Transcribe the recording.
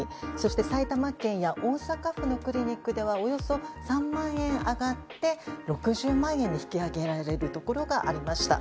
埼玉県や大阪府のクリニックではおよそ３万円上がって６０万円に引き上げられるところがありました。